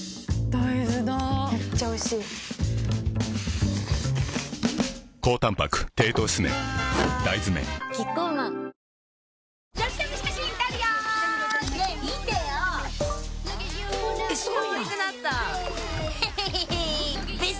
大豆だめっちゃおいしいわ大豆麺キッコーマン宝物のようなひととき。